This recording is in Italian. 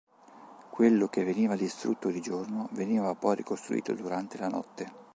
Quello che veniva distrutto di giorno veniva poi ricostruito durante la notte.